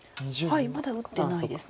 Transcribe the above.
はいまだ打ってないです。